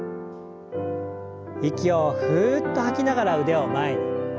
息をふっと吐きながら腕を前に。